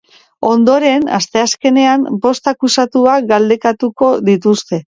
Ondoren, asteazkenean, bost akusatuak galdekatuko dituzte.